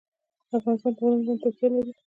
افغانستان په غرونه باندې تکیه لري.